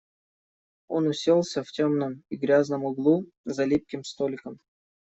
Он уселся в темном и грязном углу, за липким столиком.